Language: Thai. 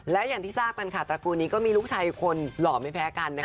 และอย่างที่ทราบกันค่ะตระกูลนี้ก็มีลูกชายอีกคนหล่อไม่แพ้กันนะคะ